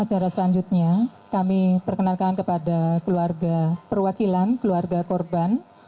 acara selanjutnya kami perkenalkan kepada keluarga perwakilan keluarga korban